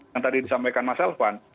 yang tadi disampaikan mas elvan